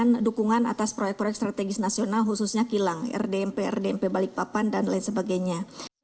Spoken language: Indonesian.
memberikan dukungan atas proyek proyek strategis nasional khususnya kilang rdmp rdmp balikpapan dan lain sebagainya